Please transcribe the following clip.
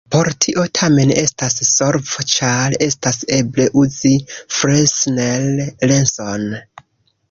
Por tio tamen estas solvo, ĉar estas eble uzi Fresnel-lenson.